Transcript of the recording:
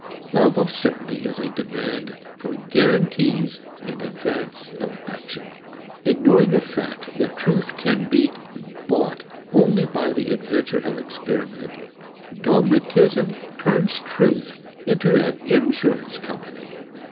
Love of certainty is a demand for guarantees in advance of action. Ignoring the fact that truth can be bought only by the adventure of experiment, dogmatism turns truth into an insurance company.